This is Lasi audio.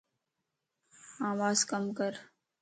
آواز ڪَم ڪر